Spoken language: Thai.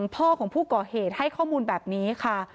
พ่อของผู้ก่อเหตุให้ข้อมูลแบบนี้ค่ะ